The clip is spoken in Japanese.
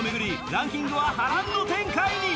ランキングは波乱の展開に！